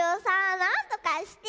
なんとかして。